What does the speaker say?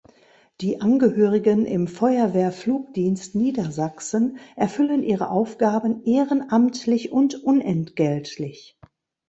Die Angehörigen im Feuerwehr-Flugdienst Niedersachsen erfüllen ihre Aufgaben ehrenamtlich und unentgeltlich.